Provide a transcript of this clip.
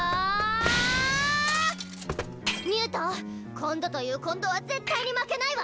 今度という今度は絶対に負けないわ！